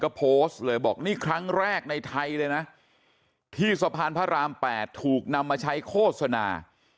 ก็โพสต์เลยบอกนี่ครั้งแรกในไทยเลยนะที่สะพานพระราม๘ถูกนำมาใช้โฆษณา